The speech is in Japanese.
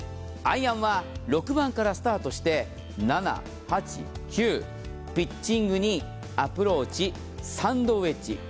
アイアンは６番からスタートして７８９ピッチングにアプローチサンドウェッジ。